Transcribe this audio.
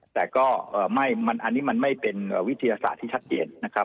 แต่ก็อันนี้มันไม่เป็นวิทยาศาสตร์ที่ชัดเจนนะครับ